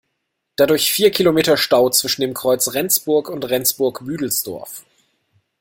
Dadurch vier Kilometer Stau zwischen dem Kreuz Rendsburg und Rendsburg-Büdelsdorf.